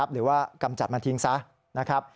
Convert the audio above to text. หรือว่ากำจัดมาทิ้งซะ